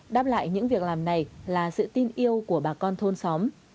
đáp lại những việc làm này là sự tin yêu của bà con thôn xóm